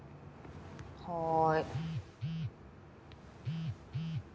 はい。